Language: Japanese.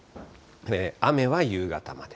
雨は夕方まで。